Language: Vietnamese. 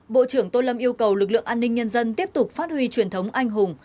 bộ trưởng tô lâm yêu cầu lực lượng an ninh nhân dân tiếp tục phát huy truyền thống anh hùng